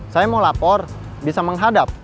saya mau lapor bisa menghadap